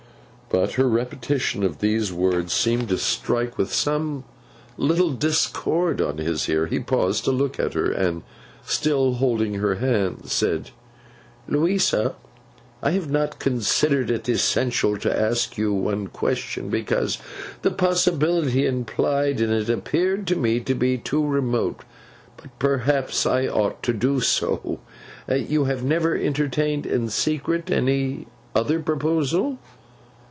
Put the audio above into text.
But, her repetition of these words seemed to strike with some little discord on his ear. He paused to look at her, and, still holding her hand, said: 'Louisa, I have not considered it essential to ask you one question, because the possibility implied in it appeared to me to be too remote. But perhaps I ought to do so. You have never entertained in secret any other proposal?